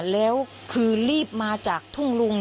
แล้วคือรีบมาจากทุ่งลุง